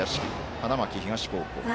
花巻東高校。